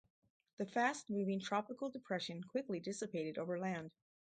The fast-moving tropical depression quickly dissipated over land.